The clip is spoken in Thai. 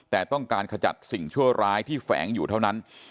แต่ต้องการขจัดสิ่งชั่วร้ายที่แฝงอยู่เท่านั้น